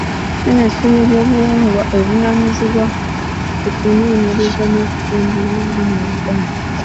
Minisitule y'eby'obuwangwa evunaanyizibwa ku kunoonyereza n’okutumbula olulimi Oluganda.